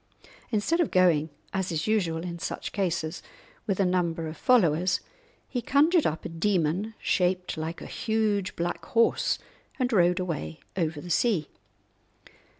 Instead of going, as is usual in such cases, with a number of followers, he conjured up a demon shaped like a huge black horse, and rode away over the sea.